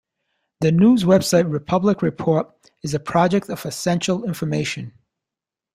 The news website Republic Report is a project of Essential Information.